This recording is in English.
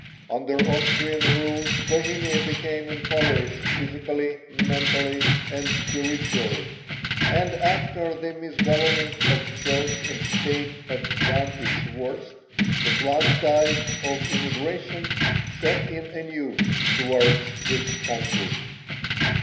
Under Austrian rule Bohemia became impoverished physically, mentally, and spiritually; and after the misgovernment of Church and State had done its worst, the flood tide of immigration set in anew towards this country.